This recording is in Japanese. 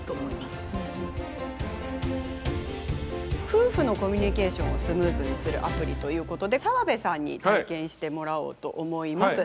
夫婦のコミュニケーションをスムーズにするアプリということで澤部さんに体験してもらおうと思います。